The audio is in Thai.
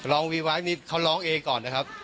วีไวท์นี่เขาร้องเองก่อนนะครับ